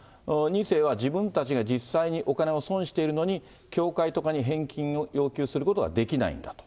２世は、自分たちが実際にお金を損しているのに、教会とかに返金を要求をすることができないんだと。